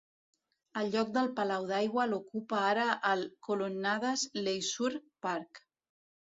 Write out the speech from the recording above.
El lloc del palau d'aigua l'ocupa ara el Colonnades Leisure Park.